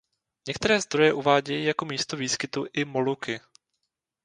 Některé zdroje uvádějí jako místo výskytu i Moluky.